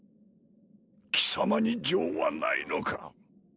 貴様に情はないのか？